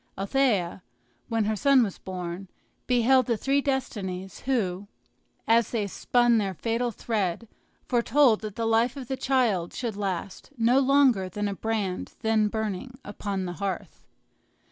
Althea, when her son was born, beheld the three destinies, who, as they spun their fatal thread, foretold that the life of the child should last no longer than a brand then burning upon the hearth.